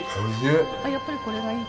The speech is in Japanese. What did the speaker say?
やっぱりこれがいい。